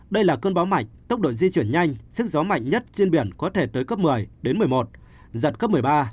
đây là cơn bão mạnh tốc độ di chuyển nhanh sức gió mạnh nhất trên biển có thể tới cấp một mươi đến một mươi một giật cấp một mươi ba